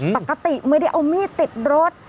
ปกติไม่ได้เอามีดติดรถ